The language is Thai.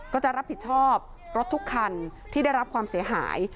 ก็จะรับผิดชอบรถทุกคันที่ได้รับความเสียหาย